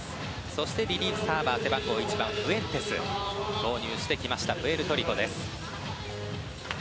そしてリリーフサーバーの背番号１番フエンテスを投入してきました。